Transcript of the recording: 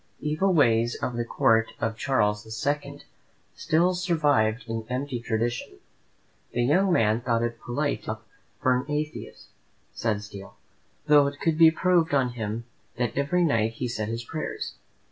Evil ways of the court of Charles the Second still survived in empty tradition. The young man thought it polite to set up for an atheist, said Steele, though it could be proved on him that every night he said his prayers.